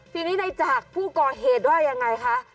ทีนี้ในจากผู้ก่อเหตุว่ายังไงคะ